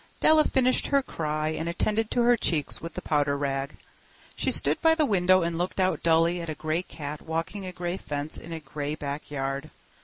Della finished her cry and attended to her cheeks with the powder rag. She stood by the window and looked out dully at a gray cat walking a gray fence in a gray backyard.